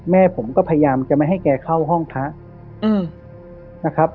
แม่ผมก็พยายามจะไม่ให้แกเข้าห้องพระนะครับ